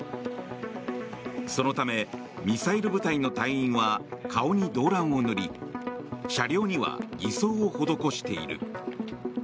そのため、ミサイル部隊の隊員は顔にドーランを塗り車両には偽装を施している。